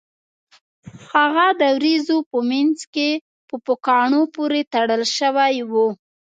هغه د ورېځو په مینځ کې په پوکاڼو پورې تړل شوی و